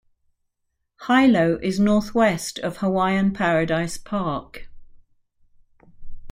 Hilo is northwest of Hawaiian Paradise Park.